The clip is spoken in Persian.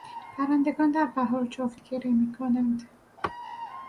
پرندگان در بهار جفتگیری میکنند.